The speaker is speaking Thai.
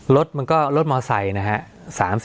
รถมันก็รถมอไซค์นะฮะ